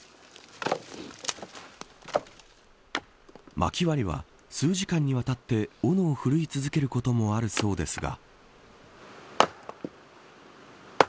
まき割りは数時間にわたって斧を振るい続けることもあるそうですが。